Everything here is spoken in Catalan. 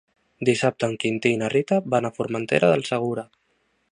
Dissabte en Quintí i na Rita van a Formentera del Segura.